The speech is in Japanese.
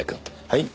はい。